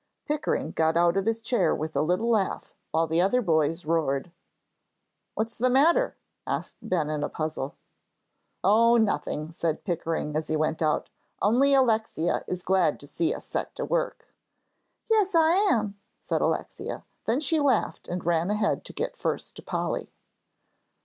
Pickering got out of his chair with a little laugh, while the other boys roared. "What's the matter?" asked Ben, in a puzzle. "Oh, nothing," said Pickering, as he went out, "only Alexia is glad to see us set to work." "Yes, I am," said Alexia. Then she laughed, and ran ahead to get first to Polly.